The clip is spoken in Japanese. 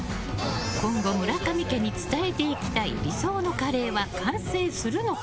今後村上家に伝えていきたい理想のカレーは完成するのか？